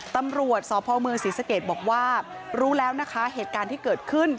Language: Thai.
ตำรวจสพเมืองศรีสะเกดบอกว่ารู้แล้วนะคะเหตุการณ์ที่เกิดขึ้น